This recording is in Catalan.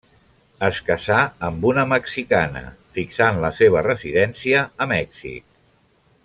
Es casà amb una mexicana, fixant la seva residència a Mèxic.